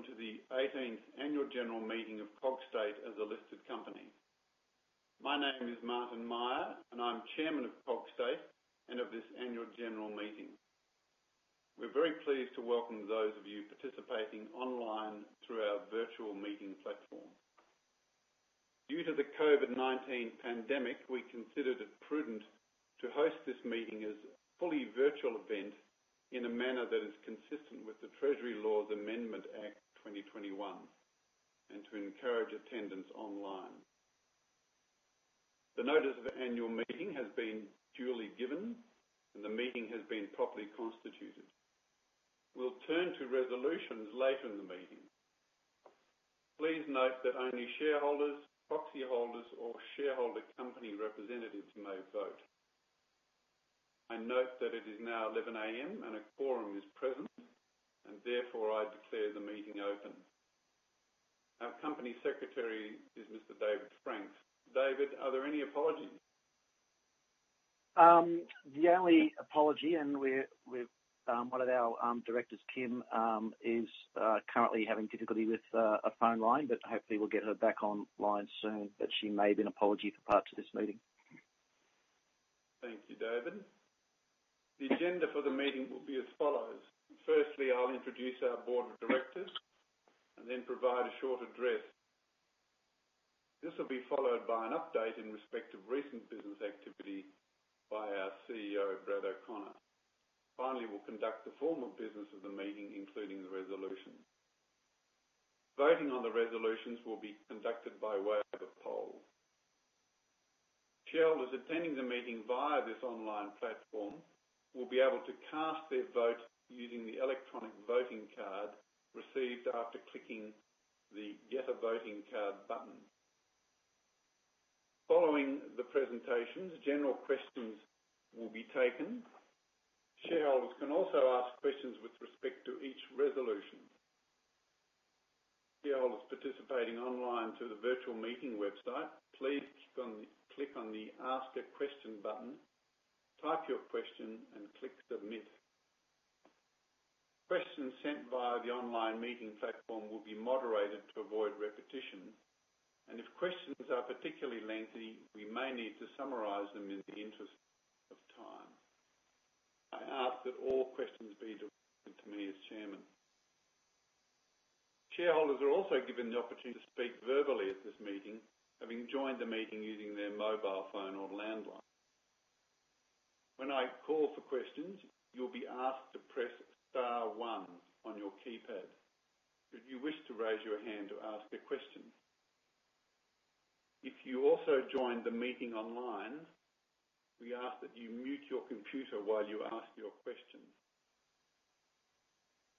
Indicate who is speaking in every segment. Speaker 1: Good morning, and welcome to the eighteenth annual general meeting of Cogstate as a listed company. My name is Martyn Myer, and I'm Chairman of Cogstate and of this annual general meeting. We're very pleased to welcome those of you participating online through our virtual meeting platform. Due to the COVID-19 pandemic, we considered it prudent to host this meeting as a fully virtual event in a manner that is consistent with the Treasury Laws Amendment Act 2021 and to encourage attendance online. The notice of annual general meeting has been duly given, and the meeting has been properly constituted. We'll turn to resolutions later in the meeting. Please note that only shareholders, proxy holders or shareholder company representatives may vote. I note that it is now 11 A.M. and a quorum is present, and therefore I declare the meeting open. Our Company Secretary is Mr. David Franks. David, are there any apologies?
Speaker 2: The only apology. One of our directors, Kim, is currently having difficulty with a phone line, but hopefully we'll get her back online soon. She made an apology for parts of this meeting.
Speaker 1: Thank you, David. The agenda for the meeting will be as follows. Firstly, I'll introduce our board of directors and then provide a short address. This will be followed by an update in respect of recent business activity by our CEO, Brad O'Connor. Finally, we'll conduct the formal business of the meeting, including the resolution. Voting on the resolutions will be conducted by way of a poll. Shareholders attending the meeting via this online platform will be able to cast their vote using the electronic voting card received after clicking the Get a Voting Card button. Following the presentations, general questions will be taken. Shareholders can also ask questions with respect to each resolution. Shareholders participating online through the virtual meeting website, please click on the Ask a Question button, type your question and click Submit. Questions sent via the online meeting platform will be moderated to avoid repetition, and if questions are particularly lengthy, we may need to summarize them in the interest of time. I ask that all questions be directed to me as Chairman. Shareholders are also given the opportunity to speak verbally at this meeting, having joined the meeting using their mobile phone or landline. When I call for questions, you'll be asked to press star one on your keypad if you wish to raise your hand to ask a question. If you also joined the meeting online, we ask that you mute your computer while you ask your questions.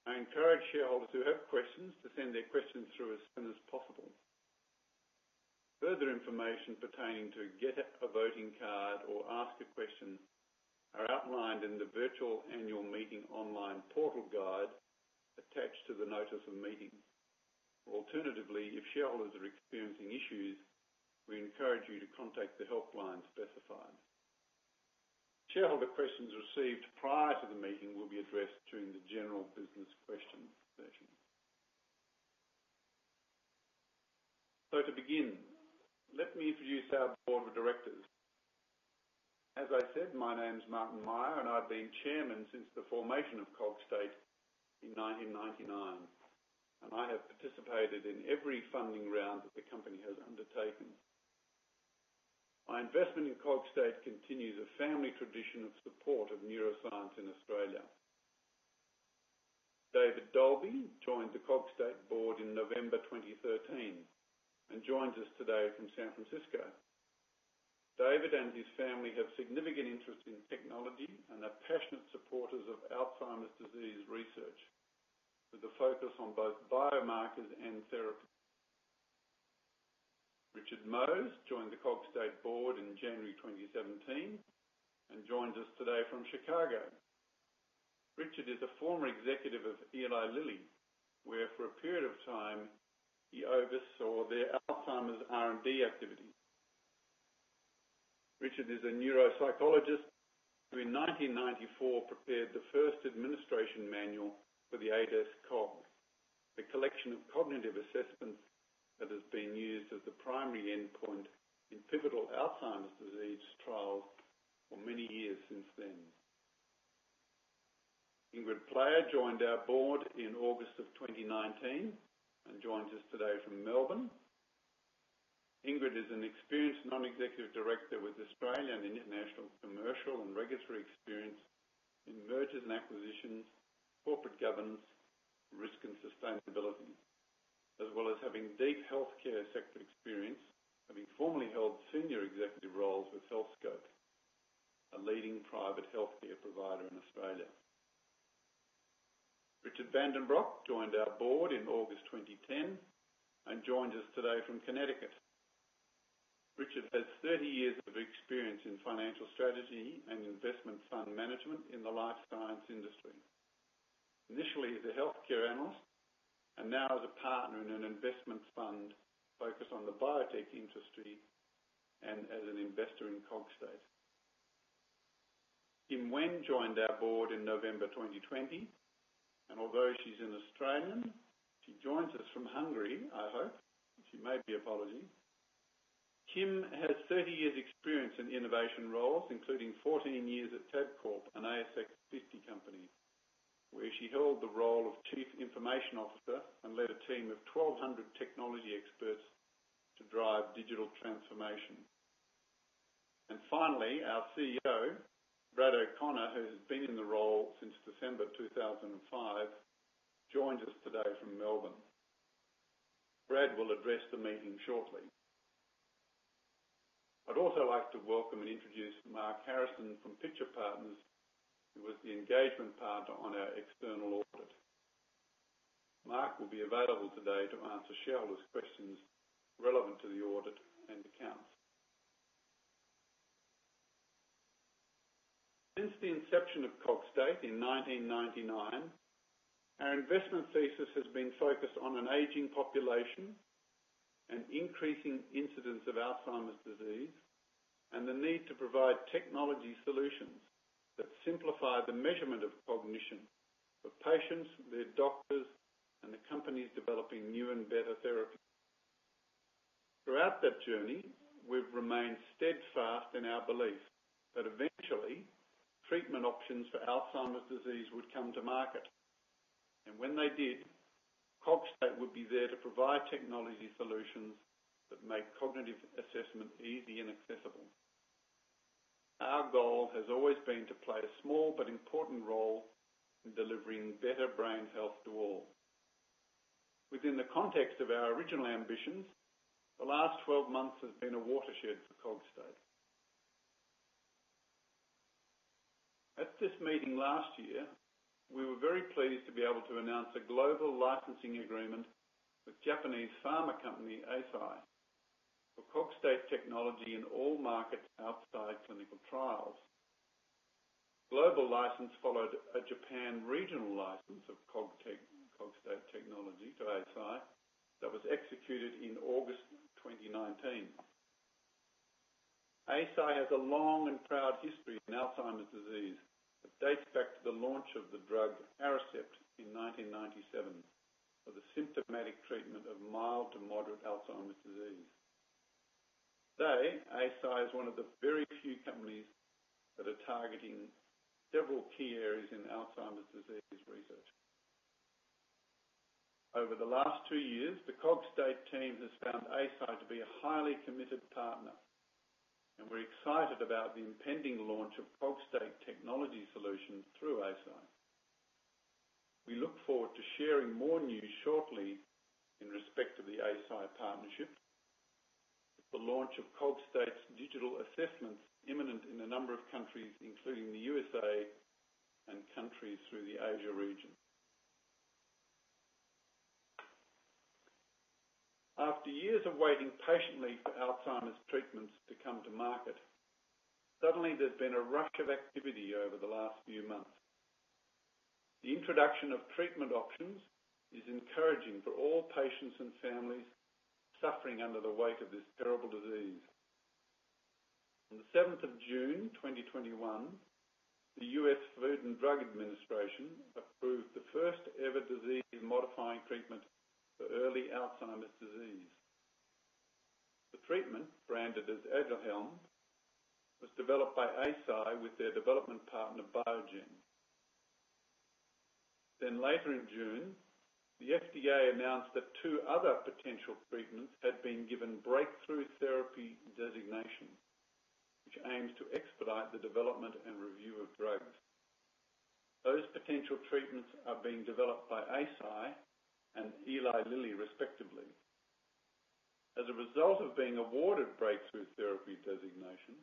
Speaker 1: I encourage shareholders who have questions to send their questions through as soon as possible. Further information pertaining to Get a Voting Card or Ask a Question are outlined in the Virtual Annual Meeting Online Portal Guide attached to the Notice of Meeting. Alternatively, if shareholders are experiencing issues, we encourage you to contact the helpline specified. Shareholder questions received prior to the meeting will be addressed during the general business questions session. To begin, let me introduce our board of directors. As I said, my name is Martyn Myer, and I've been Chairman since the formation of Cogstate in 1999, and I have participated in every funding round that the company has undertaken. My investment in Cogstate continues a family tradition of support of neuroscience in Australia. David Dolby joined the Cogstate board in November 2013 and joins us today from San Francisco. David Dolby and his family have significant interest in technology and are passionate supporters of Alzheimer's disease research with a focus on both biomarkers and therapy. Richard Mohs joined the Cogstate board in January 2017 and joins us today from Chicago. Richard is a former executive of Eli Lilly, where for a period of time he oversaw their Alzheimer's R&D activity. Richard is a neuropsychologist who in 1994 prepared the first administration manual for the ADAS-Cog, a collection of cognitive assessments that has been used as the primary endpoint in pivotal Alzheimer's disease trials for many years since then. Ingrid Player joined our board in August 2019 and joins us today from Melbourne. Ingrid is an experienced non-executive director with Australian and international commercial and regulatory experience in mergers and acquisitions, corporate governance, risk and sustainability. As well as having deep healthcare sector experience, having formerly held senior executive roles with Healthscope, a leading private healthcare provider in Australia. Richard van den Broek joined our board in August 2010 and joins us today from Connecticut. Richard has 30 years of experience in financial strategy and investment fund management in the life science industry. Initially as a healthcare analyst and now as a partner in an investment fund focused on the biotech industry and as an investor in Cogstate. Kim Wenn joined our board in November 2020, and although she's an Australian, she joins us from Hungary, I hope. She may be apologetic. Kim has 30 years experience in innovation roles, including 14 years at Tabcorp, an ASX 50 company, where she held the role of Chief Information Officer and led a team of 1,200 technology experts to drive digital transformation. Finally, our CEO, Brad O'Connor, who has been in the role since December 2005, joins us today from Melbourne. Brad will address the meeting shortly. I'd also like to welcome and introduce Mark Harrison from Pitcher Partners, who was the engagement partner on our external audit. Mark will be available today to answer shareholders' questions relevant to the audit and accounts. Since the inception of Cogstate in 1999, our investment thesis has been focused on an aging population and increasing incidence of Alzheimer's disease, and the need to provide technology solutions that simplify the measurement of cognition for patients, their doctors, and the companies developing new and better therapies. Throughout that journey, we've remained steadfast in our belief that eventually treatment options for Alzheimer's disease would come to market. When they did, Cogstate would be there to provide technology solutions that make cognitive assessment easy and accessible. Our goal has always been to play a small but important role in delivering better brain health to all. Within the context of our original ambitions, the last 12 months has been a watershed for Cogstate. At this meeting last year, we were very pleased to be able to announce a global licensing agreement with Japanese pharma company, Eisai, for Cogstate technology in all markets outside clinical trials. Global license followed a Japan regional license of Cogstate technology to Eisai that was executed in August 2019. Eisai has a long and proud history in Alzheimer's disease that dates back to the launch of the drug Aricept in 1997 for the symptomatic treatment of mild to moderate Alzheimer's disease. Today, Eisai is one of the very few companies that are targeting several key areas in Alzheimer's disease research. Over the last two years, the Cogstate team has found Eisai to be a highly committed partner, and we're excited about the impending launch of Cogstate technology solutions through Eisai. We look forward to sharing more news shortly in respect to the Eisai partnership. The launch of Cogstate's digital assessments is imminent in a number of countries, including the U.S. and countries through the Asia region. After years of waiting patiently for Alzheimer's treatments to come to market, suddenly there's been a rush of activity over the last few months. The introduction of treatment options is encouraging for all patients and families suffering under the weight of this terrible disease. On the seventh of June, 2021, the U.S. Food and Drug Administration approved the first-ever disease-modifying treatment for early Alzheimer's disease. The treatment, branded as Aduhelm, was developed by Eisai with their development partner, Biogen. Later in June, the FDA announced that two other potential treatments had been given breakthrough therapy designation, which aims to expedite the development and review of drugs. Those potential treatments are being developed by Eisai and Eli Lilly, respectively. As a result of being awarded breakthrough therapy designation,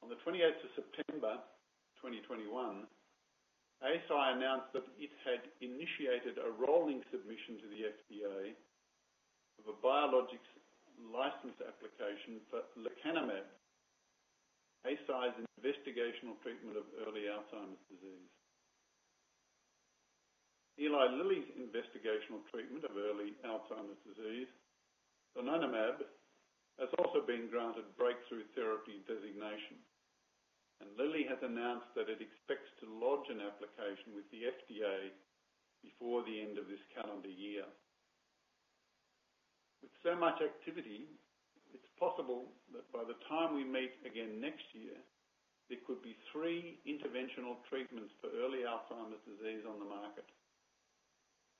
Speaker 1: on the twenty-eighth of September, 2021, Eisai announced that it had initiated a rolling submission to the FDA of a biologics license application for lecanemab, Eisai's investigational treatment of early Alzheimer's disease. Eli Lilly's investigational treatment of early Alzheimer's disease, donanemab, has also been granted breakthrough therapy designation, and Lilly has announced that it expects to lodge an application with the FDA before the end of this calendar year. With so much activity, it's possible that by the time we meet again next year, there could be three interventional treatments for early Alzheimer's disease on the market,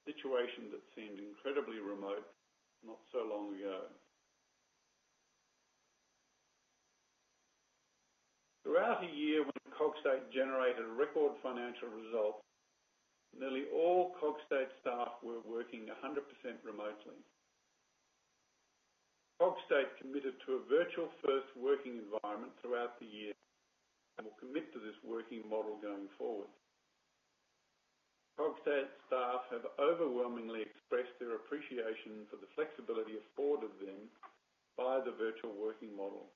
Speaker 1: a situation that seemed incredibly remote not so long ago. Throughout a year when Cogstate generated record financial results, nearly all Cogstate staff were working 100% remotely. Cogstate committed to a virtual first working environment throughout the year and will commit to this working model going forward. Cogstate staff have overwhelmingly expressed their appreciation for the flexibility afforded them by the virtual working model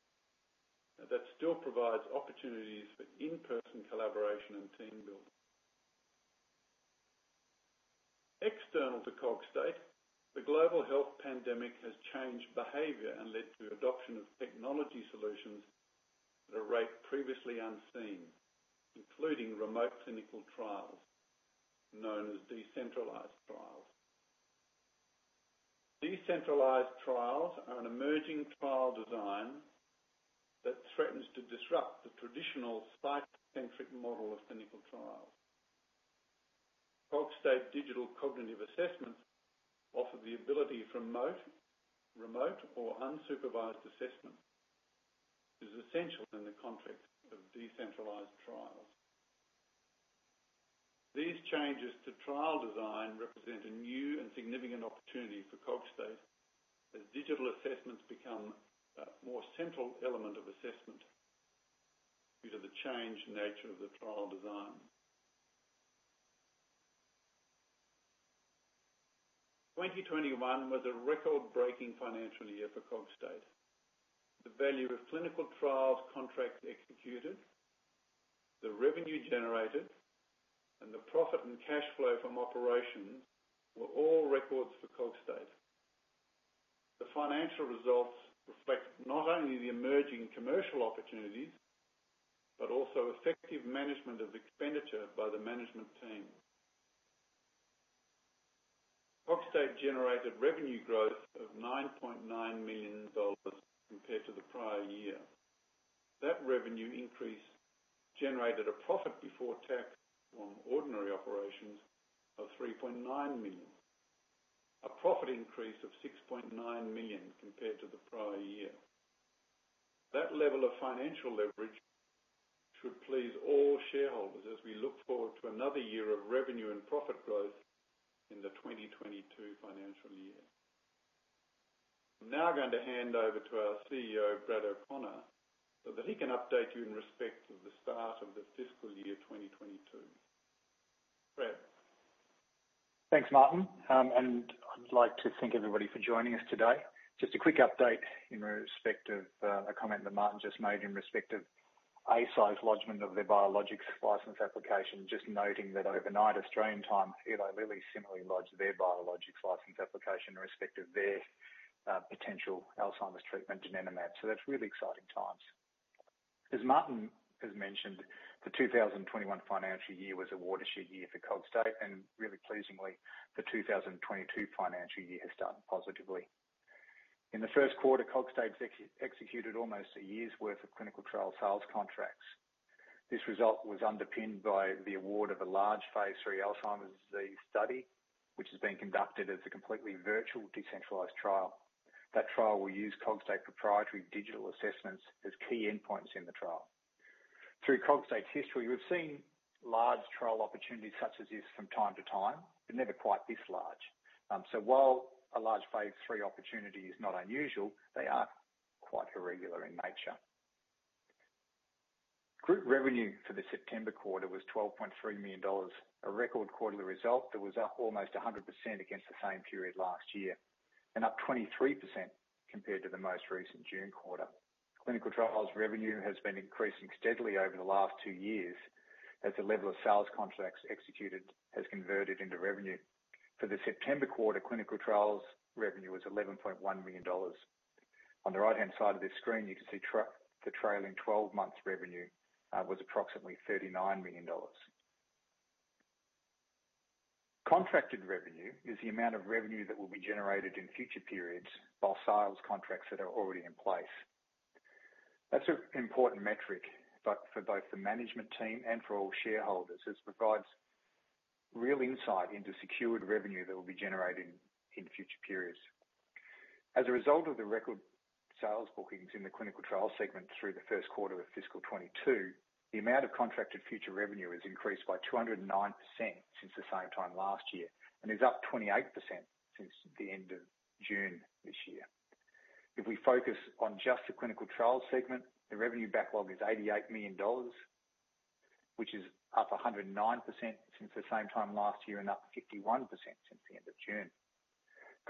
Speaker 1: that still provides opportunities for in-person collaboration and team building. External to Cogstate, the global health pandemic has changed behavior and led to adoption of technology solutions at a rate previously unseen, including remote clinical trials, known as decentralized trials. Decentralized trials are an emerging trial design that threatens to disrupt the traditional site-centric model of clinical trials. Cogstate digital cognitive assessments offer the ability for remote or unsupervised assessment, which is essential in the context of decentralized trials. These changes to trial design represent a new and significant opportunity for Cogstate as digital assessments become a more central element of assessment due to the changed nature of the trial design. 2021 was a record-breaking financial year for Cogstate. The value of clinical trials contracts executed, the revenue generated, and the profit and cash flow from operations were all records for Cogstate. The financial results reflect not only the emerging commercial opportunities, but also effective management of expenditure by the management team. Cogstate generated revenue growth of 9.9 million dollars compared to the prior year. That revenue increase generated a profit before tax from ordinary operations of 3.9 million, a profit increase of 6.9 million compared to the prior year. That level of financial leverage should please all shareholders as we look forward to another year of revenue and profit growth in the 2022 financial year. I'm now going to hand over to our CEO, Brad O'Connor, so that he can update you in respect of the start of the fiscal year 2022. Brad?
Speaker 3: Thanks, Martyn, and I'd like to thank everybody for joining us today. Just a quick update in respect of a comment that Martyn just made in respect of Eisai's lodgment of their biologics license application. Just noting that overnight Australian time, Eli Lilly similarly lodged their biologics license application in respect of their potential Alzheimer's treatment, donanemab. That's really exciting times. As Martyn has mentioned, the 2021 financial year was a watershed year for Cogstate, and really pleasingly, the 2022 financial year has started positively. In the first quarter, Cogstate executed almost a year's worth of clinical trial sales contracts. This result was underpinned by the award of a large phase III Alzheimer's disease study, which is being conducted as a completely virtual decentralized trial. That trial will use Cogstate proprietary digital assessments as key endpoints in the trial. Through Cogstate's history, we've seen large trial opportunities such as this from time to time, but never quite this large. While a large phase III opportunity is not unusual, they are quite irregular in nature. Group revenue for the September quarter was 12.3 million dollars, a record quarterly result that was up almost 100% against the same period last year, and up 23% compared to the most recent June quarter. Clinical trials revenue has been increasing steadily over the last two years as the level of sales contracts executed has converted into revenue. For the September quarter, clinical trials revenue was 11.1 million dollars. On the right-hand side of this screen, you can see the trailing twelve months revenue was approximately 39 million dollars. Contracted revenue is the amount of revenue that will be generated in future periods by sales contracts that are already in place. That's an important metric, but for both the management team and for all shareholders, as it provides real insight into secured revenue that will be generated in future periods. As a result of the record sales bookings in the clinical trial segment through the first quarter of fiscal 2022, the amount of contracted future revenue has increased by 209% since the same time last year, and is up 28% since the end of June this year. If we focus on just the clinical trial segment, the revenue backlog is 88 million dollars, which is up 109% since the same time last year, and up 51% since the end of June.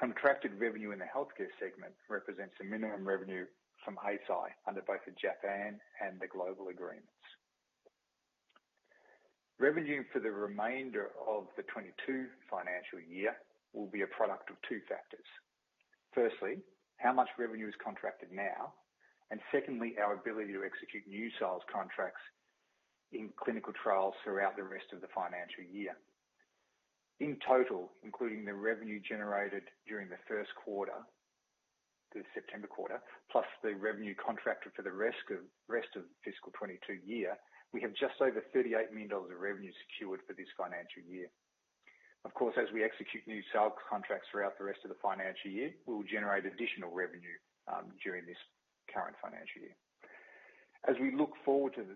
Speaker 3: Contracted revenue in the healthcare segment represents the minimum revenue from Eisai under both the Japan and the global agreements. Revenue for the remainder of the 2022 financial year will be a product of two factors. Firstly, how much revenue is contracted now, and secondly, our ability to execute new sales contracts in clinical trials throughout the rest of the financial year. In total, including the revenue generated during the first quarter, the September quarter, plus the revenue contracted for the rest of the fiscal 2022 year, we have just over 38 million dollars of revenue secured for this financial year. Of course, as we execute new sales contracts throughout the rest of the financial year, we will generate additional revenue during this current financial year. As we look forward to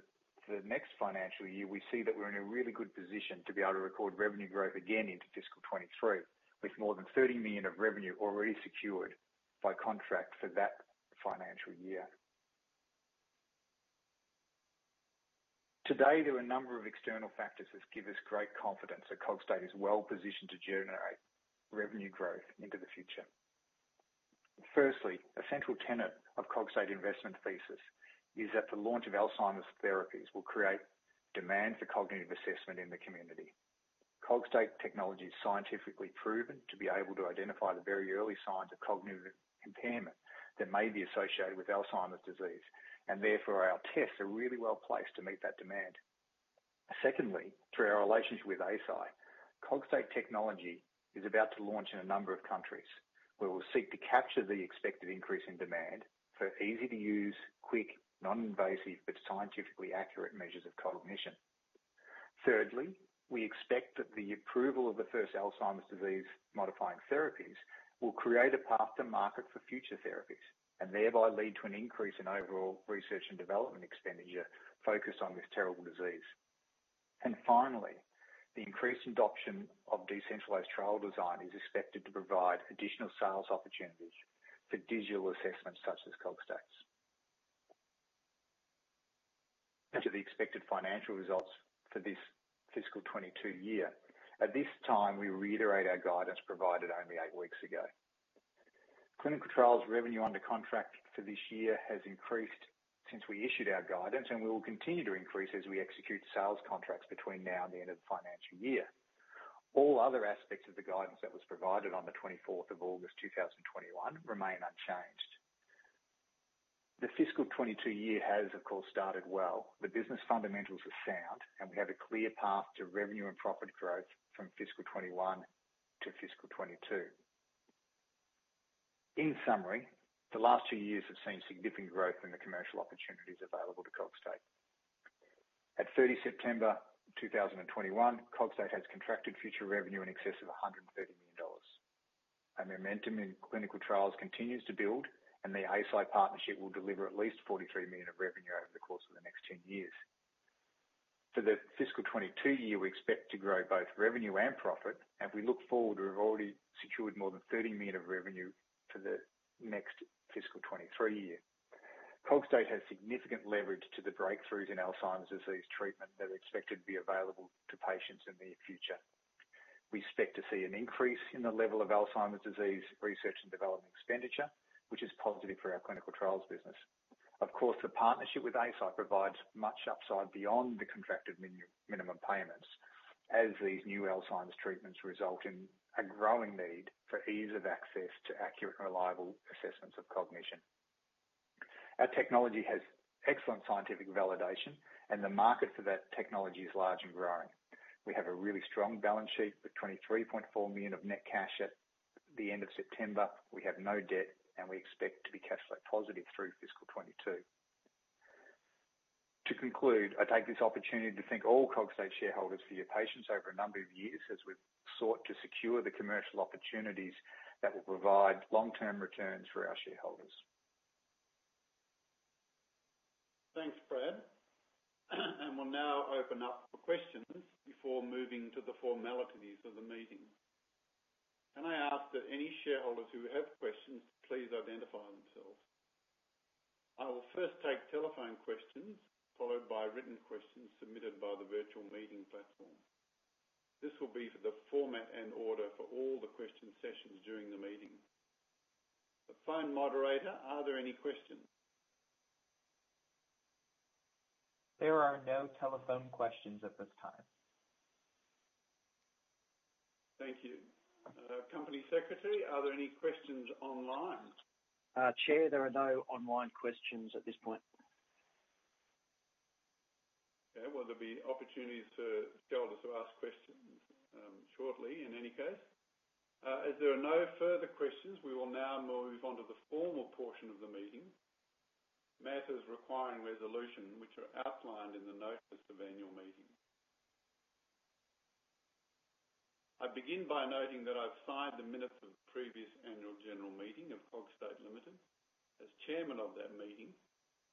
Speaker 3: the next financial year, we see that we're in a really good position to be able to record revenue growth again into fiscal 2023, with more than 30 million of revenue already secured by contract for that financial year. Today, there are a number of external factors which give us great confidence that Cogstate is well positioned to generate revenue growth into the future. Firstly, a central tenet of Cogstate investment thesis is that the launch of Alzheimer's therapies will create demand for cognitive assessment in the community. Cogstate technology is scientifically proven to be able to identify the very early signs of cognitive impairment that may be associated with Alzheimer's disease, and therefore our tests are really well placed to meet that demand. Secondly, through our relationship with Eisai, Cogstate technology is about to launch in a number of countries where we'll seek to capture the expected increase in demand for easy-to-use, quick, non-invasive, but scientifically accurate measures of cognition. Thirdly, we expect that the approval of the first Alzheimer's disease modifying therapies will create a path to market for future therapies and thereby lead to an increase in overall research and development expenditure focused on this terrible disease. Finally, the increased adoption of decentralized trial design is expected to provide additional sales opportunities for digital assessments such as Cogstates. On to the expected financial results for this fiscal 2022 year. At this time, we reiterate our guidance provided only eight weeks ago. Clinical trials revenue under contract for this year has increased since we issued our guidance, and we will continue to increase as we execute sales contracts between now and the end of the financial year. All other aspects of the guidance that was provided on the 24th of August 2021 remain unchanged. The fiscal 2022 year has, of course, started well. The business fundamentals are sound, and we have a clear path to revenue and profit growth from fiscal 2021 to fiscal 2022. In summary, the last two years have seen significant growth in the commercial opportunities available to Cogstate. At 30 September 2021, Cogstate has contracted future revenue in excess of 130 million dollars. Our momentum in clinical trials continues to build, and the Eisai partnership will deliver at least 43 million of revenue over the course of the next 10 years. For the fiscal 2022 year, we expect to grow both revenue and profit, and we look forward to have already secured more than 30 million of revenue for the next fiscal 2023 year. Cogstate has significant leverage to the breakthroughs in Alzheimer's disease treatment that are expected to be available to patients in the near future. We expect to see an increase in the level of Alzheimer's disease research and development expenditure, which is positive for our clinical trials business. Of course, the partnership with Eisai provides much upside beyond the contracted minimum payments as these new Alzheimer's treatments result in a growing need for ease of access to accurate and reliable assessments of cognition. Our technology has excellent scientific validation, and the market for that technology is large and growing. We have a really strong balance sheet with 23.4 million of net cash at the end of September. We have no debt, and we expect to be cash flow positive through fiscal 2022. To conclude, I take this opportunity to thank all Cogstate shareholders for your patience over a number of years as we've sought to secure the commercial opportunities that will provide long-term returns for our shareholders.
Speaker 1: Thanks, Brad. We'll now open up for questions before moving to the formalities of the meeting. Can I ask that any shareholders who have questions, please identify themselves? I will first take telephone questions, followed by written questions submitted by the virtual meeting platform. This will be for the format and order for all the question sessions during the meeting. The phone moderator, are there any questions?
Speaker 4: There are no telephone questions at this time.
Speaker 1: Thank you. Company Secretary, are there any questions online?
Speaker 2: Chair, there are no online questions at this point.
Speaker 1: Okay. Well, there'll be opportunities for shareholders to ask questions, shortly in any case. As there are no further questions, we will now move on to the formal portion of the meeting, the matters requiring resolution which are outlined in the notice of annual meeting. I begin by noting that I've signed the minutes of the previous annual general meeting of Cogstate Limited as chairman of that meeting,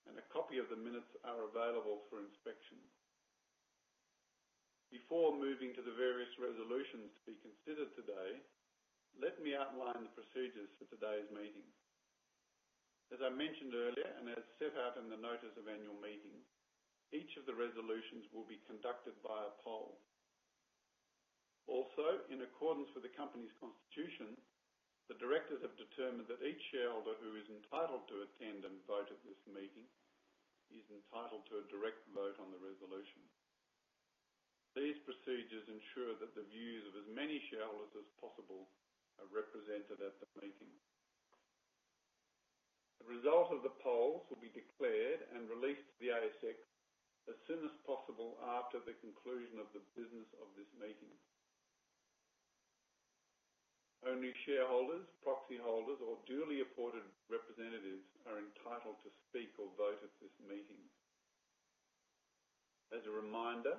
Speaker 1: and a copy of the minutes are available for inspection. Before moving to the various resolutions to be considered today, let me outline the procedures for today's meeting. As I mentioned earlier, and as set out in the notice of annual meeting, each of the resolutions will be conducted via poll. In accordance with the company's constitution, the directors have determined that each shareholder who is entitled to attend and vote at this meeting is entitled to a direct vote on the resolution. These procedures ensure that the views of as many shareholders as possible are represented at the meeting. The result of the polls will be declared and released to the ASX as soon as possible after the conclusion of the business of this meeting. Only shareholders, proxy holders or duly appointed representatives are entitled to speak or vote at this meeting. As a reminder,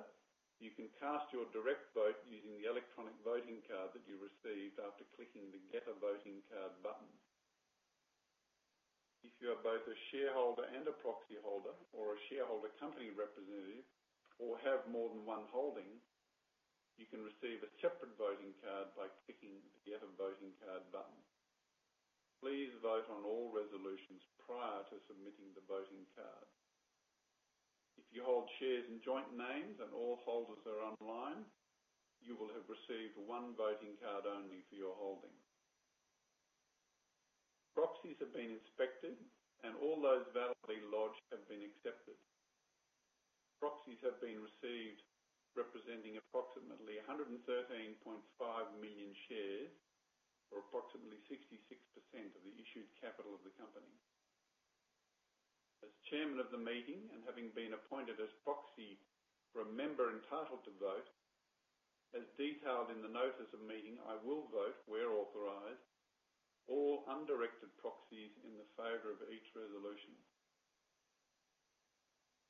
Speaker 1: you can cast your direct vote using the electronic voting card that you received after clicking the Get a Voting Card button. If you are both a shareholder and a proxy holder or a shareholder company representative or have more than one holding, you can receive a separate voting card by clicking the Get a Voting Card button. Please vote on all resolutions prior to submitting the voting card. If you hold shares in joint names and all holders are online, you will have received one voting card only for your holding. Proxies have been inspected and all those validly lodged have been accepted. Proxies have been received representing approximately 113.5 million shares or approximately 66% of the issued capital of the company. As Chairman of the meeting and having been appointed as proxy for a member entitled to vote, as detailed in the notice of meeting, I will vote where authorized all undirected proxies in the favor of each resolution.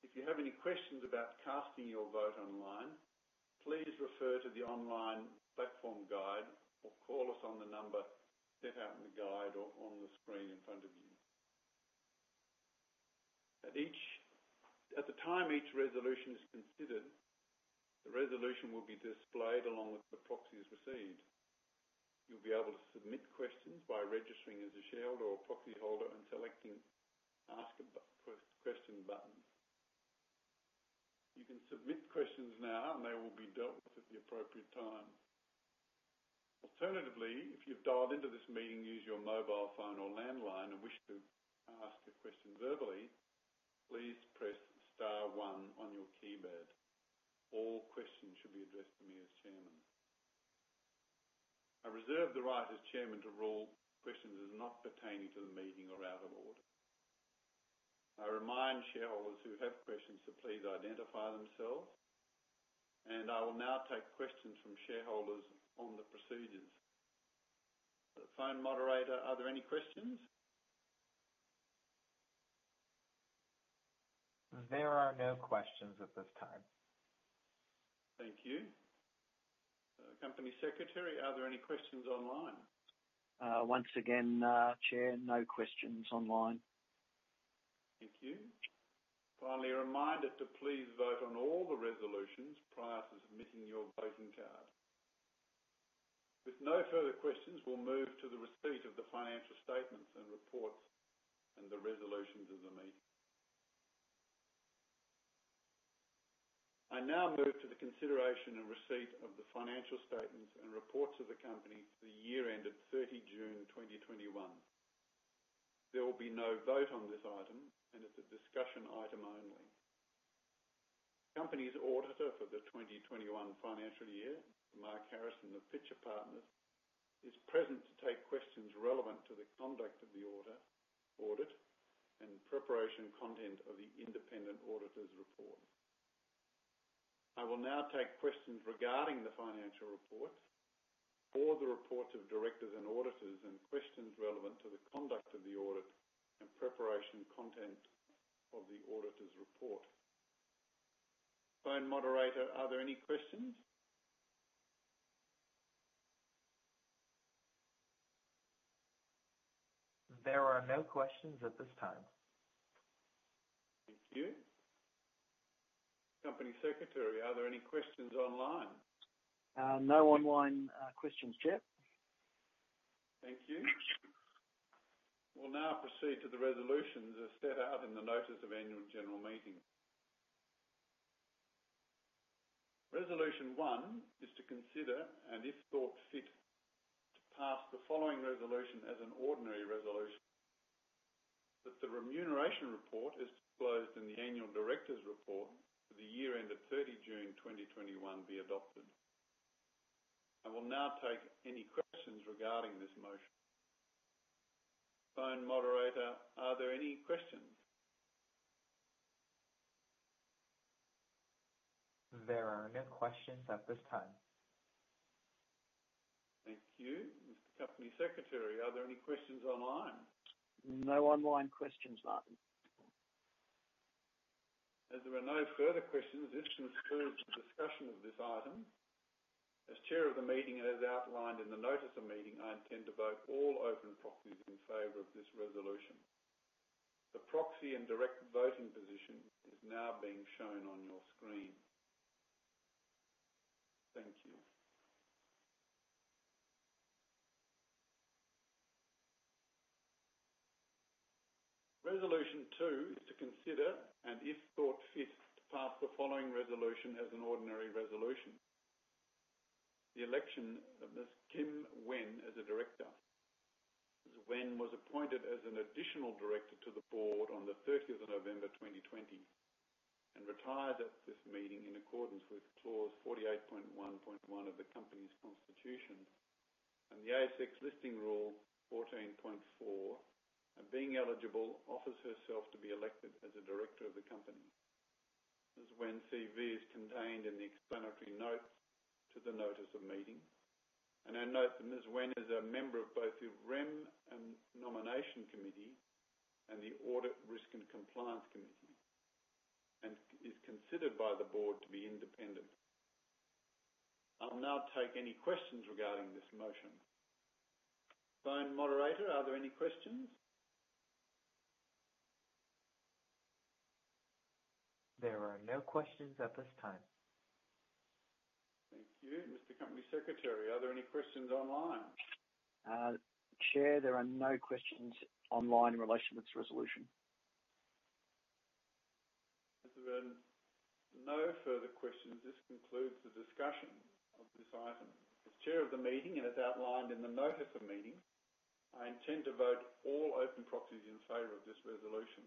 Speaker 1: If you have any questions about casting your vote online, please refer to the online platform guide or call us on the number set out in the guide or on the screen in front of you. At the time each resolution is considered, the resolution will be displayed along with the proxies received. You'll be able to submit questions by registering as a shareholder or proxyholder and selecting Ask a Question button. You can submit questions now and they will be dealt with at the appropriate time. Alternatively, if you've dialed into this meeting, use your mobile phone or landline and wish to ask a question verbally, please press star one on your keypad. All questions should be addressed to me as Chairman. I reserve the right as Chairman to rule questions as not pertaining to the meeting or out of order. I remind shareholders who have questions to please identify themselves, and I will now take questions from shareholders on the procedures. Phone moderator, are there any questions?
Speaker 4: There are no questions at this time.
Speaker 1: Thank you. Company Secretary, are there any questions online?
Speaker 2: Once again, Chair, no questions online.
Speaker 1: Thank you. Finally, a reminder to please vote on all the resolutions prior to submitting your voting card. With no further questions, we'll move to the receipt of the financial statements and reports and the resolutions of the meeting. I now move to the consideration and receipt of the financial statements and reports of the company for the year ended 30 June 2021. There will be no vote on this item, and it's a discussion item only. The company's auditor for the 2021 financial year, Mark Harrison of Pitcher Partners, is present to take questions relevant to the conduct of the audit and preparation content of the independent auditor's report. I will now take questions regarding the financial reports or the reports of directors and auditors and questions relevant to the conduct of the audit and preparation content of the auditor's report. Phone moderator, are there any questions?
Speaker 4: There are no questions at this time.
Speaker 1: Thank you. Company Secretary, are there any questions online?
Speaker 2: No online questions yet.
Speaker 1: Thank you. We'll now proceed to the resolutions as set out in the notice of annual general meeting. Resolution one is to consider and if thought fit to pass the following resolution as an ordinary resolution. That the remuneration report as disclosed in the annual director's report for the year end of 30 June 2021 be adopted. I will now take any questions regarding this motion. Phone moderator, are there any questions?
Speaker 4: There are no questions at this time.
Speaker 1: Thank you. Mr. Company Secretary, are there any questions online?
Speaker 2: No online questions, Martyn.
Speaker 1: As there are no further questions in terms to the discussion of this item, as Chair of the meeting and as outlined in the notice of meeting, I intend to vote all open proxies in favor of this resolution. The proxy and direct voting position is now being shown on your screen. Thank you. Resolution two is to consider and if thought fit to pass the following resolution as an ordinary resolution. The election of Ms. Kim Wenn as a director. Ms. Kim Wenn was appointed as an additional director to the board on the 30th of November 2020 and retires at this meeting in accordance with Clause 48.1.1 of the company's constitution and the ASX Listing Rule 14.4, and being eligible offers herself to be elected as a director of the company. Ms. Wenn's CV is contained in the explanatory notes to the notice of meeting. I note that Ms. Wenn is a member of both the Remuneration and Nomination Committee and the Audit, Risk and Compliance Committee and is considered by the board to be independent. I'll now take any questions regarding this motion. Phone moderator, are there any questions?
Speaker 4: There are no questions at this time.
Speaker 1: Thank you, Mr. Company Secretary. Are there any questions online?
Speaker 2: Chair, there are no questions online in relation to this resolution.
Speaker 1: As there are no further questions, this concludes the discussion of this item. As chair of the meeting and as outlined in the notice of meeting, I intend to vote all open proxies in favor of this resolution.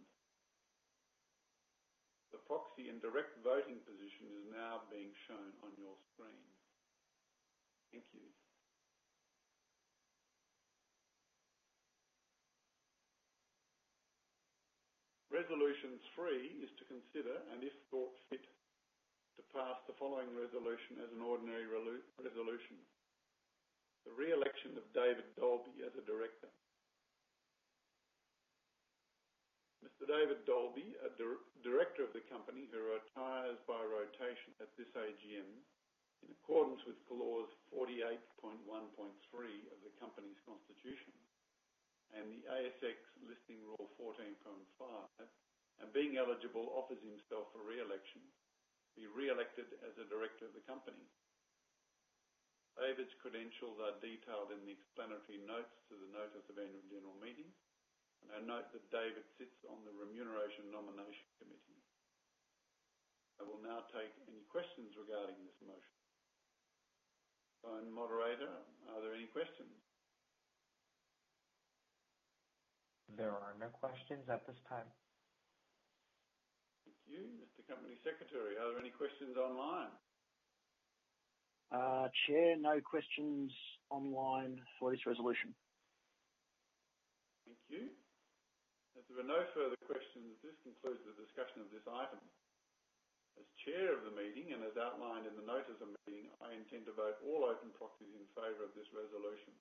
Speaker 1: The proxy and direct voting position is now being shown on your screen. Thank you. Resolution three is to consider and, if thought fit, to pass the following resolution as an ordinary resolution. The re-election of David Dolby as a director. Mr. David Dolby, a director of the company who retires by rotation at this AGM in accordance with Clause 48.1.3 of the company's constitution and the ASX Listing Rule 14.5, and being eligible, offers himself for re-election, be re-elected as a director of the company. David's credentials are detailed in the explanatory notes to the notice of annual general meeting. I note that David sits on the Remuneration and Nomination Committee. I will now take any questions regarding this motion. Phone moderator, are there any questions?
Speaker 4: There are no questions at this time.
Speaker 1: Thank you. Mr. Company Secretary, are there any questions online?
Speaker 2: Chair, no questions online for this resolution.
Speaker 1: Thank you. As there are no further questions, this concludes the discussion of this item. As chair of the meeting and as outlined in the notice of meeting, I intend to vote all open proxies in favor of this resolution.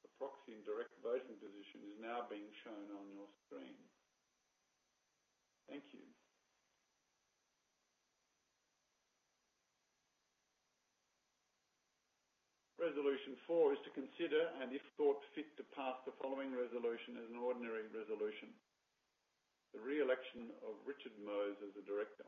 Speaker 1: The proxy and direct voting position is now being shown on your screen. Thank you. Resolution 4 is to consider and, if thought fit, to pass the following resolution as an ordinary resolution. The re-election of Richard Mohs as a director.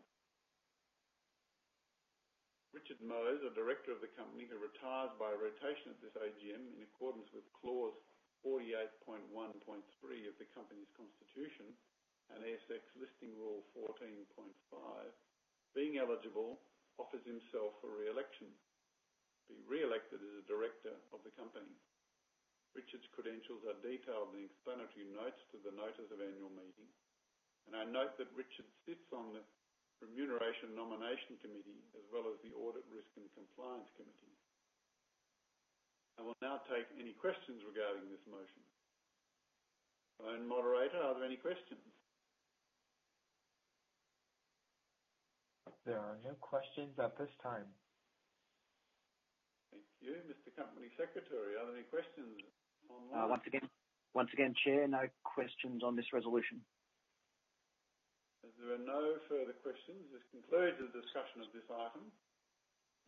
Speaker 1: Richard Mohs, a director of the company who retires by rotation at this AGM in accordance with Clause 48.1.3 of the company's constitution and ASX Listing Rule 14.5, being eligible, offers himself for re-election, be re-elected as a director of the company. Richard's credentials are detailed in the explanatory notes to the notice of annual meeting. I note that Richard sits on the Remuneration and Nomination Committee, as well as the Audit, Risk and Compliance Committee. I will now take any questions regarding this motion. Phone moderator, are there any questions?
Speaker 4: There are no questions at this time.
Speaker 1: Thank you. Mr. Company Secretary, are there any questions online?
Speaker 2: Once again, Chair, no questions on this resolution.
Speaker 1: As there are no further questions, this concludes the discussion of this item.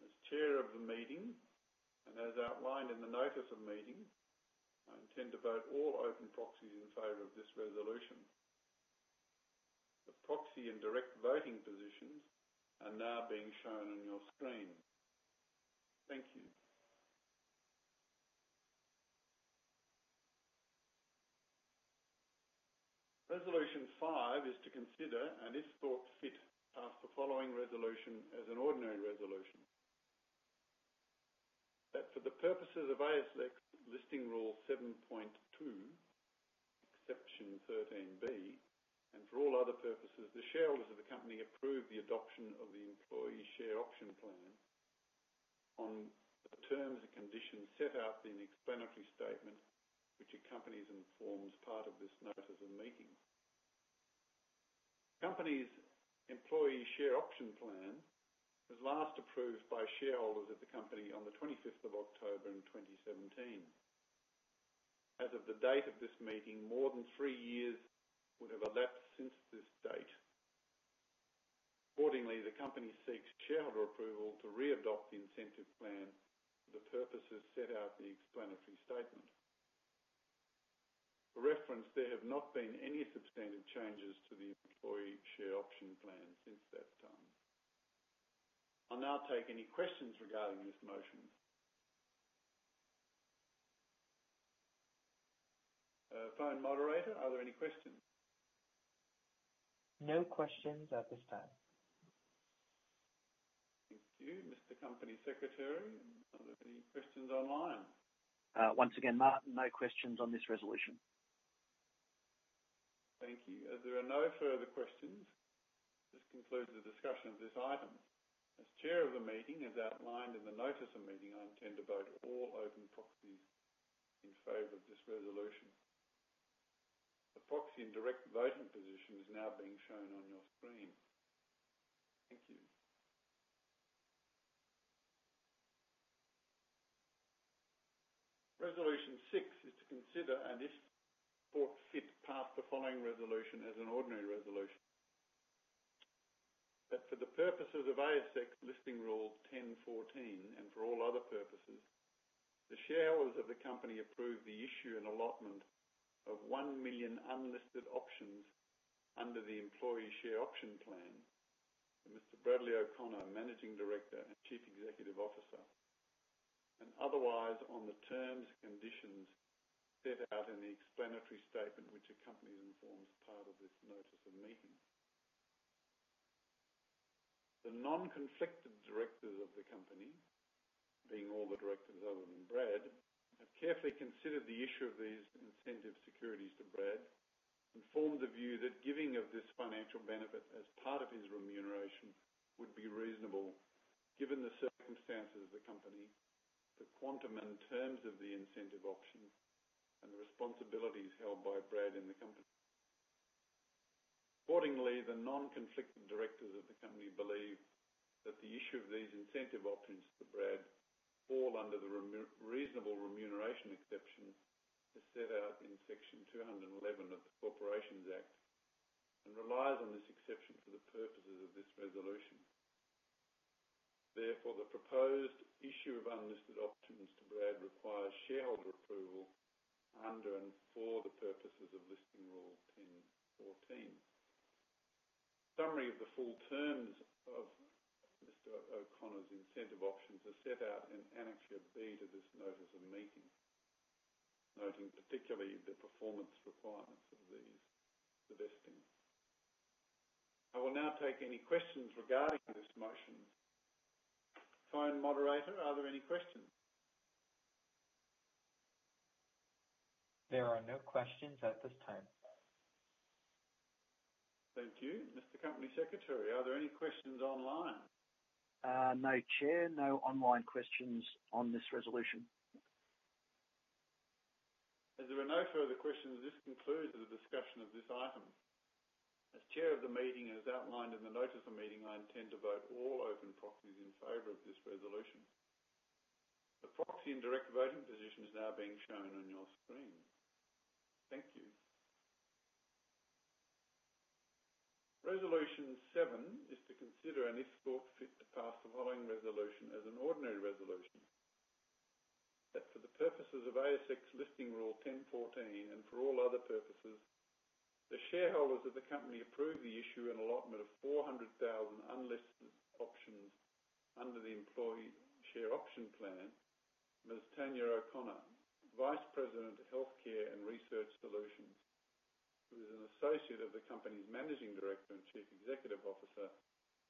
Speaker 1: As chair of the meeting and as outlined in the notice of meeting, I intend to vote all open proxies in favor of this resolution. The proxy and direct voting positions are now being shown on your screen. Thank you. Resolution 5 is to consider and, if thought fit, pass the following resolution as an ordinary resolution. That for the purposes of ASX Listing Rule 7.2, Exception 13B, and for all other purposes, the shareholders of the company approve the adoption of the employee share option plan on the terms and conditions set out in the explanatory statement which accompanies and forms part of this notice of meeting. The company's employee share option plan was last approved by shareholders of the company on the 25th of October in 2017. As of the date of this meeting, more than three years would have elapsed since this date. Accordingly, the company seeks shareholder approval to readopt the incentive plan for the purposes set out in the explanatory statement. For reference, there have not been any substantive changes to the employee share option plan since that time. I'll now take any questions regarding this motion. Phone moderator, are there any questions?
Speaker 4: No questions at this time.
Speaker 1: Thank you. Mr. Company Secretary, are there any questions online?
Speaker 2: Once again, Martyn, no questions on this resolution.
Speaker 1: Thank you. As there are no further questions, this concludes the discussion of this item. As chair of the meeting, as outlined in the notice of meeting, I intend to vote all open proxies in favor of this resolution. The proxy and direct voting position is now being shown on your screen. Thank you. Resolution 6 is to consider and, if thought fit, pass the following resolution as an ordinary resolution. That for the purposes of ASX Listing Rule 10.14 and for all other purposes, the shareholders of the company approve the issue and allotment of 1 million unlisted options under the employee share option plan to Mr. Bradley O'Connor, Managing Director and Chief Executive Officer, and otherwise on the terms and conditions set out in the explanatory statement which accompanies and forms part of this notice of meeting. The non-conflicted directors of the company, being all the directors other than Brad, have carefully considered the issue of these incentive securities to Brad and formed the view that giving of this financial benefit as part of his remuneration would be reasonable given the circumstances of the company, the quantum and terms of the incentive option, and the responsibilities held by Brad in the company. Accordingly, the non-conflicted directors of the company believe that the issue of these incentive options to Brad fall under the reasonable remuneration exception as set out in Section 211 of the Corporations Act, and relies on this exception for the purposes of this resolution. Therefore, the proposed issue of unlisted options to Brad requires shareholder approval under and for the purposes of Listing Rule 10.14. Summary of the full terms of Mr. O'Connor's incentive options are set out in Annexure B to this notice of meeting, noting particularly the performance requirements of these, the vesting. I will now take any questions regarding this motion. Phone moderator, are there any questions?
Speaker 4: There are no questions at this time.
Speaker 1: Thank you. Mr. Company Secretary, are there any questions online?
Speaker 2: No, Chair. No online questions on this resolution.
Speaker 1: As there are no further questions, this concludes the discussion of this item. As chair of the meeting, as outlined in the notice of meeting, I intend to vote all open proxies in favor of this resolution. The proxy and director voting position is now being shown on your screen. Thank you. Resolution 7 is to consider and if thought fit to pass the following resolution as an ordinary resolution. That for the purposes of ASX Listing Rule 10.14 and for all other purposes, the shareholders of the company approve the issue and allotment of 400,000 unlisted options under the employee share option plan. Ms. Tania O'Connor, Vice President of Healthcare and Research Solutions, who is an associate of the company's Managing Director and Chief Executive Officer,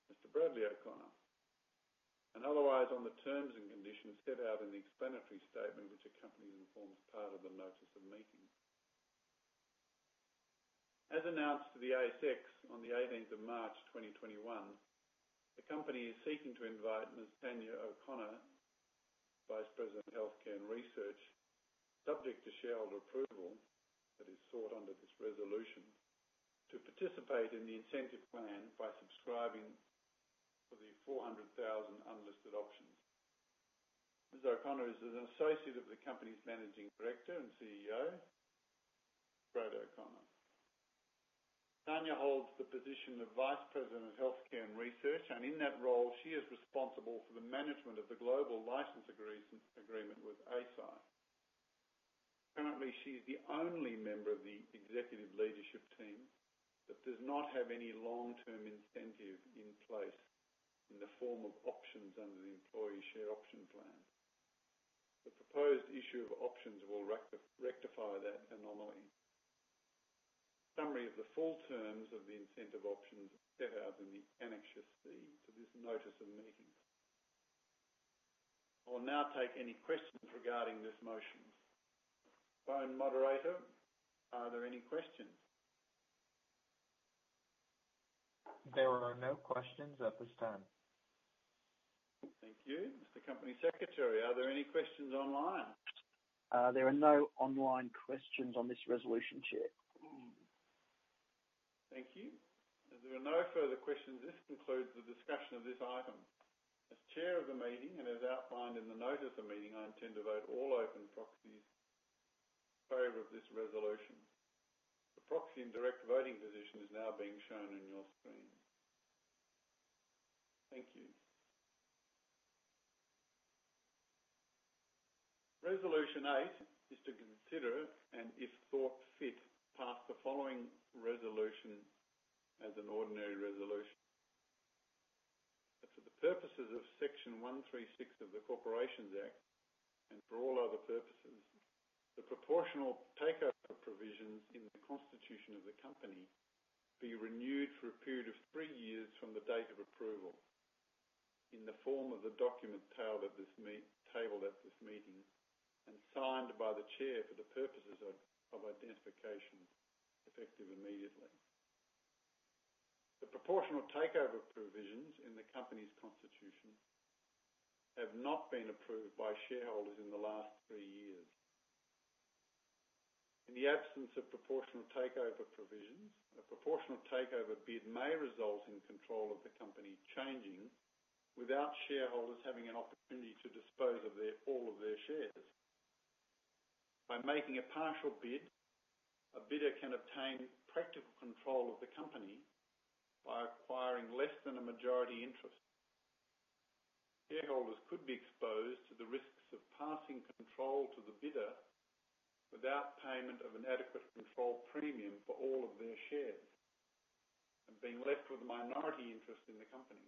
Speaker 1: Mr. Bradley O'Connor, and otherwise on the terms and conditions set out in the explanatory statement which accompanies and forms part of the notice of meeting. As announced to the ASX on the eighteenth of March, 2021, the company is seeking to invite Ms. Tania O'Connor, Vice President of Healthcare and Research, subject to shareholder approval that is sought under this resolution, to participate in the incentive plan by subscribing for the 400,000 unlisted options. Ms. O'Connor is an associate of the company's Managing Director and CEO, Brad O'Connor. Tania holds the position of Vice President of Healthcare and Research, and in that role, she is responsible for the management of the global license agreement with ASAP. Currently, she's the only member of the executive leadership team that does not have any long-term incentive in place in the form of options under the employee share option plan. The proposed issue of options will rectify that anomaly. The summary of the full terms of the incentive options set out in the Annexure C to this notice of meeting. I will now take any questions regarding this motion. Phone moderator, are there any questions?
Speaker 4: There are no questions at this time.
Speaker 1: Thank you. Mr. Company Secretary, are there any questions online?
Speaker 2: There are no online questions on this resolution, Chair.
Speaker 1: Thank you. As there are no further questions, this concludes the discussion of this item. As chair of the meeting and as outlined in the notice of meeting, I intend to vote all open proxies in favor of this resolution. The proxy and director voting position is now being shown on your screen. Thank you. Resolution 8 is to consider and if thought fit, pass the following resolution as an ordinary resolution. That for the purposes of Section 136 of the Corporations Act and for all other purposes, the proportional takeover provisions in the constitution of the company be renewed for a period of three years from the date of approval in the form of the document tabled at this meeting and signed by the chair for the purposes of identification effective immediately. The proportional takeover provisions in the company's constitution have not been approved by shareholders in the last three years. In the absence of proportional takeover provisions, a proportional takeover bid may result in control of the company changing without shareholders having an opportunity to dispose of all of their shares. By making a partial bid, a bidder can obtain practical control of the company by acquiring less than a majority interest. Shareholders could be exposed to the risks of passing control to the bidder without payment of an adequate control premium for all of their shares and being left with a minority interest in the company.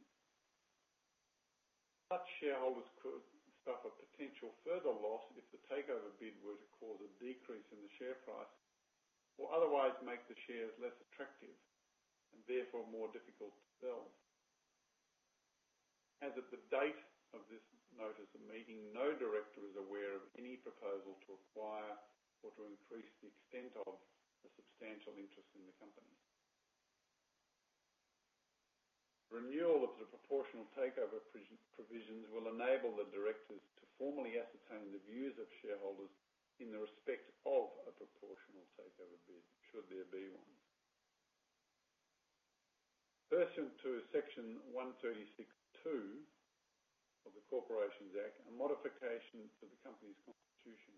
Speaker 1: Such shareholders could suffer potential further loss if the takeover bid were to cause a decrease in the share price or otherwise make the shares less attractive and therefore more difficult to sell. As of the date of this notice of meeting, no director is aware of any proposal to acquire or to increase the extent of a substantial interest in the company. Renewal of the proportional takeover provisions will enable the directors to formally ascertain the views of shareholders in respect of a proportional takeover bid, should there be one. Pursuant to Section 136(2) of the Corporations Act, a modification to the company's constitution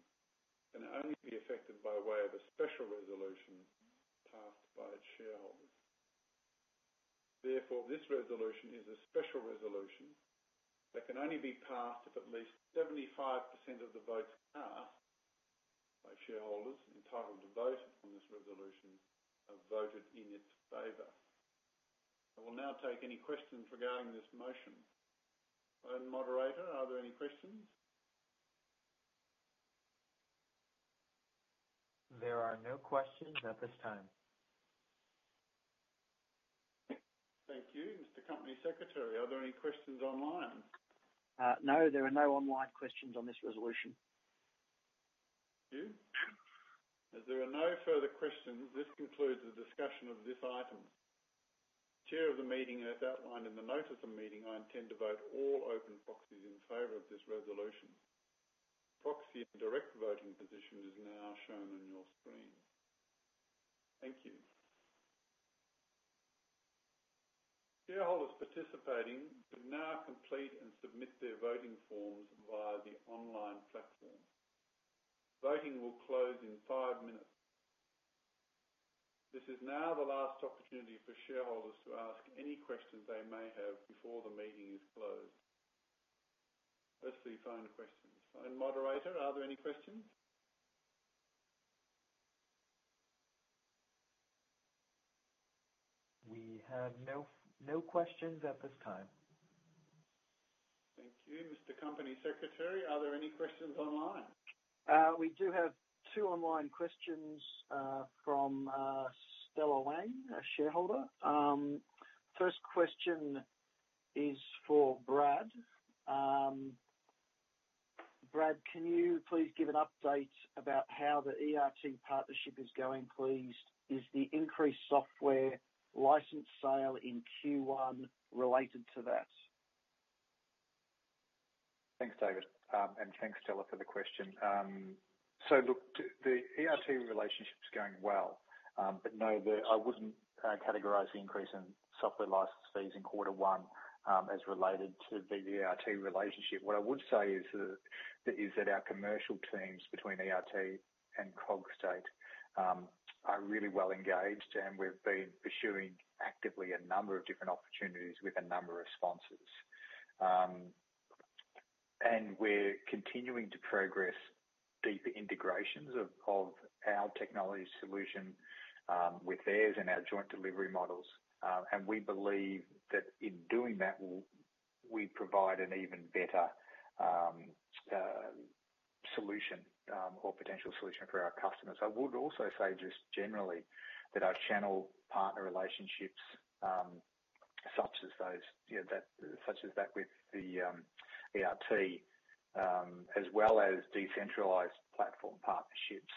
Speaker 1: can only be effected by way of a special resolution passed by its shareholders. Therefore, this resolution is a special resolution that can only be passed if at least 75% of the votes cast by shareholders entitled to vote on this resolution have voted in its favor. I will now take any questions regarding this motion. Moderator, are there any questions?
Speaker 4: There are no questions at this time.
Speaker 1: Thank you. Mr. Company Secretary, are there any questions online?
Speaker 2: No, there are no online questions on this resolution.
Speaker 1: Thank you. As there are no further questions, this concludes the discussion of this item. Chair of the meeting, as outlined in the notice of meeting, I intend to vote all open proxies in favor of this resolution. Proxy and director voting position is now shown on your screen. Thank you. Shareholders participating should now complete and submit their voting forms via the online platform. Voting will close in five minutes. This is now the last opportunity for shareholders to ask any questions they may have before the meeting is closed. Let's see final questions. Moderator, are there any questions?
Speaker 4: We have no questions at this time.
Speaker 1: Thank you. Mr. Company Secretary, are there any questions online?
Speaker 2: We do have two online questions from Stella Wang, a shareholder. First question is for Brad. Brad, can you please give an update about how the ERT partnership is going, please? Is the increased software license sale in Q1 related to that?
Speaker 3: Thanks, David. Thanks, Stella, for the question. Look, the ERT relationship's going well, but no, I wouldn't categorize the increase in software license fees in quarter one as related to the ERT relationship. What I would say is that our commercial teams between ERT and Cogstate are really well engaged, and we've been pursuing actively a number of different opportunities with a number of sponsors. We're continuing to progress deeper integrations of our technology solution with theirs in our joint delivery models. We believe that in doing that, we'll provide an even better solution or potential solution for our customers. I would also say just generally that our channel partner relationships, such as that with the ERT, as well as decentralized platform partnerships,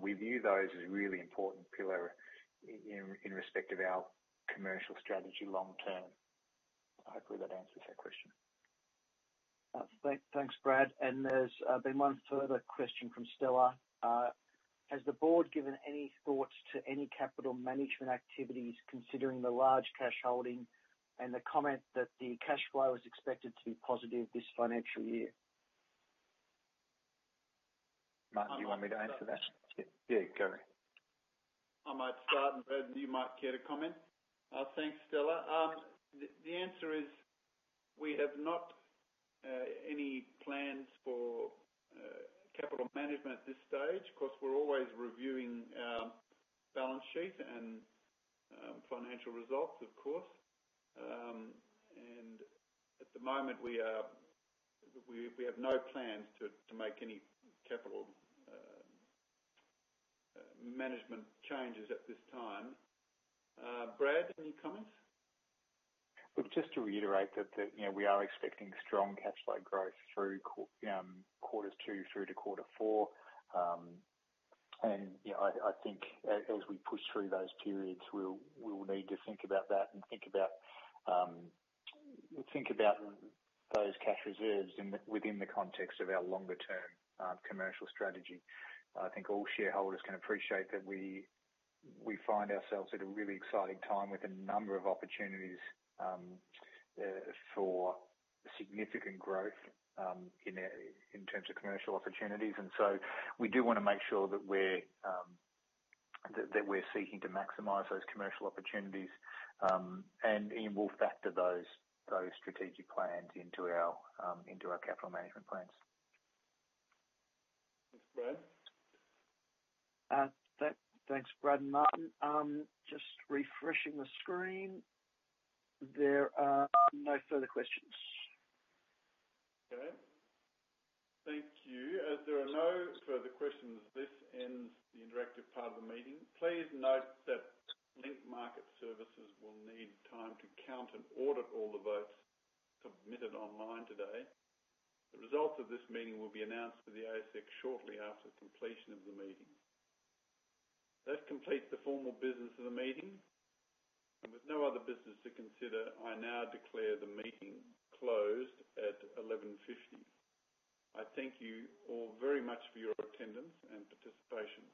Speaker 3: we view those as a really important pillar in respect of our commercial strategy long term. Hopefully, that answers that question.
Speaker 2: Thanks, Brad. There's been one further question from Stella. Has the board given any thought to any capital management activities, considering the large cash holding and the comment that the cash flow is expected to be positive this financial year?
Speaker 3: Martyn, do you want me to answer that? Yeah, go.
Speaker 1: I might start, and Brad, you might care to comment. Thanks, Stella. The answer is we have no plans for capital management at this stage. Of course, we're always reviewing our balance sheet and financial results, of course. At the moment, we have no plans to make any capital management changes at this time. Brad, any comments?
Speaker 3: Look, just to reiterate that, you know, we are expecting strong cash flow growth through quarters two through to quarter four. You know, I think as we push through those periods, we'll need to think about that and those cash reserves within the context of our longer term commercial strategy. I think all shareholders can appreciate that we find ourselves at a really exciting time with a number of opportunities for significant growth in terms of commercial opportunities. We do wanna make sure that we're seeking to maximize those commercial opportunities. We'll factor those strategic plans into our capital management plans.
Speaker 1: Thanks, Brad.
Speaker 2: Thanks, Brad O'Connor and Martyn Myer. Just refreshing the screen. There are no further questions.
Speaker 1: Okay. Thank you. As there are no further questions, this ends the interactive part of the meeting. Please note that Link Market Services will need time to count and audit all the votes submitted online today. The results of this meeting will be announced to the ASX shortly after completion of the meeting. That completes the formal business of the meeting. With no other business to consider, I now declare the meeting closed at 11:50 A.M. I thank you all very much for your attendance and participation.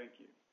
Speaker 1: Thank you.